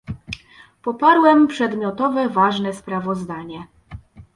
Poparłem przedmiotowe ważne sprawozdanie